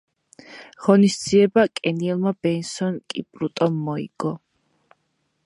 The event was won by Kenyan Benson Kipruto.